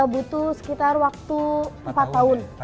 butuh sekitar waktu empat tahun